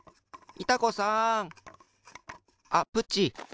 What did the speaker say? いた子さん？